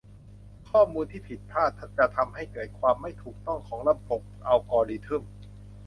ข้อมูลที่ผิดพลาดจะทำให้เกิดความไม่ถูกต้องของระบบอัลกอริทึม